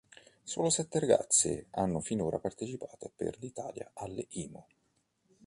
Solo sette ragazze hanno finora partecipato per l'Italia alle Imo.